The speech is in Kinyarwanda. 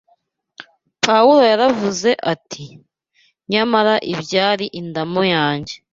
Pawulo yaravuze ati: Nyamara ibyari indamu yanjye